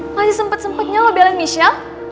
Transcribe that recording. masih sempet sempetnya lo belenggis ya